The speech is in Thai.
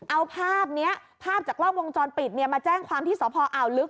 เอาภาพนี้ภาพจากกล้องวงจรปิดเนี่ยมาแจ้งความที่สพอ่าวลึก